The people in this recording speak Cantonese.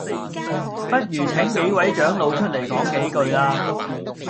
不如請幾位長老出嚟講幾句啦